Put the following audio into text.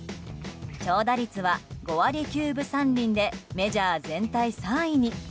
長打率は５割９分３厘でメジャー全体３位に。